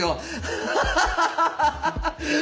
ハハハハハ。